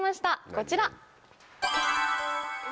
こちら！